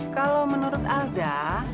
kalau menurut alda